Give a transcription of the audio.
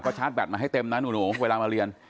ก็ชาร์จแบตมาให้เต็มนะหนูเวลามาเรียน